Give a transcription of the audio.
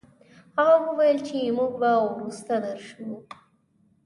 هغه وويل چې موږ به وروسته درشو.